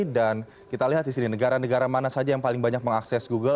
dan kita lihat di sini negara negara mana saja yang paling banyak mengakses google